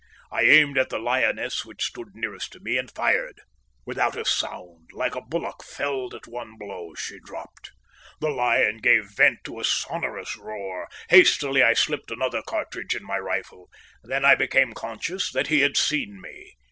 I aimed at the lioness which stood nearest to me and fired. Without a sound, like a bullock felled at one blow, she dropped. The lion gave vent to a sonorous roar. Hastily I slipped another cartridge in my rifle. Then I became conscious that he had seen me.